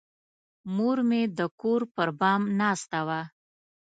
مور مې د کور پر بام ناسته وه.